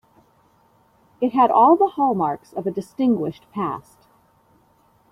It had all the hallmarks of a distinguished past.